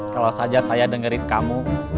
kalau saja saya dengerin kamu